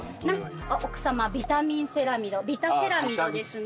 奥さまビタミンセラミドビタセラミドですね。